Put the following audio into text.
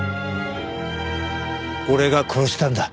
俺が殺したんだ